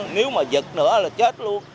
chứ mà giật nữa là chết luôn